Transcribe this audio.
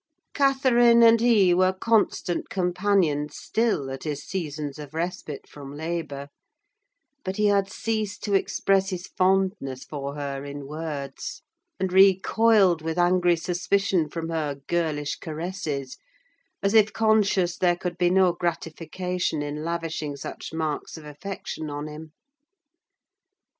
Catherine and he were constant companions still at his seasons of respite from labour; but he had ceased to express his fondness for her in words, and recoiled with angry suspicion from her girlish caresses, as if conscious there could be no gratification in lavishing such marks of affection on him.